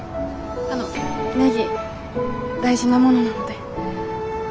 あのネギ大事なものなので。